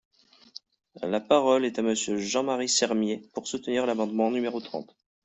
La parole est à Monsieur Jean-Marie Sermier, pour soutenir l’amendement numéro trente.